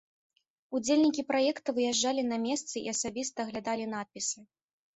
Удзельнікі праекта выязджалі на месцы і асабіста аглядалі надпісы.